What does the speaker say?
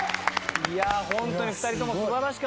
いやホントに２人とも素晴らしかったですよね。